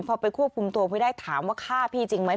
พอไปควบคุมตัวไว้ได้ถามว่าฆ่าพี่จริงไหม